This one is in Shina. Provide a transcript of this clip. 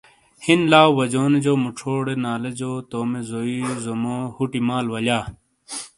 ہِین لاؤ وجونو جو موچھوڈے نالے جو تومی زوئی ظومو ہوٹی مال ولیا ۔